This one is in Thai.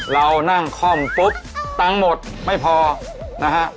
เรานั่งคล่อมปุ๊บตังค์หมดไม่พอนะฮะ